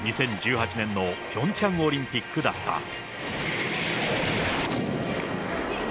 ２０１８年のピョンチャンオリンピックだった。